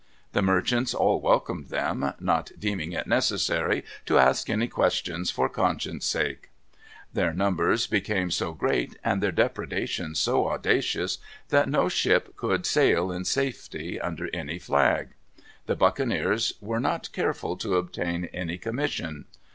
The merchants all welcomed them, not deeming it necessary to ask any questions for conscience' sake. Their numbers became so great and their depredations so audacious, that no ship could sail in safety under any flag. The buccaneers were not careful to obtain any commission.